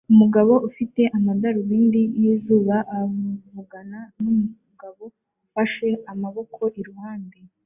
Umugore ufite amadarubindi yizuba avugana numugabo ufashe amaboko iruhande